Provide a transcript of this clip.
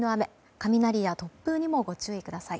雷や突風にもご注意ください。